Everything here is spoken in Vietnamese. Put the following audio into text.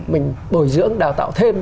mình bồi dưỡng đào tạo thêm